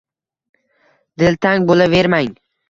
Diltang bo‘lavermang.